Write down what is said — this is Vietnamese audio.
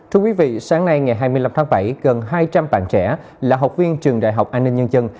thưa quý vị sáng nay ngày hai mươi năm tháng bảy gần hai trăm linh bạn trẻ là học viên trường đại học an ninh nhân dân